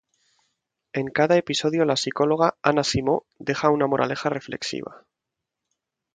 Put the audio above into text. En cada episodio la psicóloga Ana Simó deja una moraleja reflexiva.